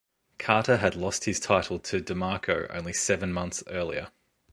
Carter had lost his title to DeMarco only seven months earlier.